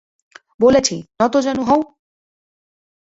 বলেছি, নতজানু হও!